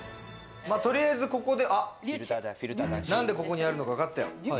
取りあえず、ここでなんでここにあるのか、わかったよ。